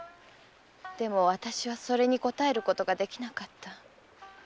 でも私はそれに応えることができなかった。